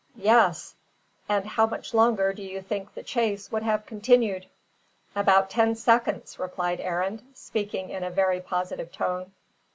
"Yes." "And how much longer do you think the chase would have continued?" "About ten seconds," replied Arend, speaking in a very positive tone.